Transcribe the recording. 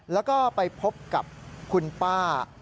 แล้วก็ไปพบกับคุณป้า